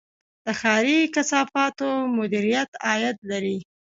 د ښاري کثافاتو مدیریت عاید لري